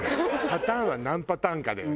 パターンは何パターンかだよね。